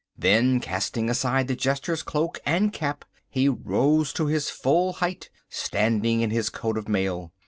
Then, casting aside the jester's cloak and cap, he rose to his full height, standing in his coat of mail.